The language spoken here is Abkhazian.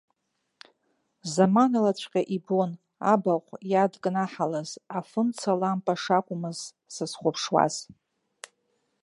Заманалаҵәҟьа ибон, абаҟә иадкнаҳалаз афымца лампа шакәмыз сызхәаԥшуаз.